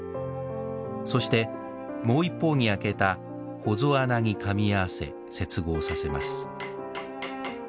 そしてもう一方に開けた「ほぞ穴」にかみ合わせ接合させます。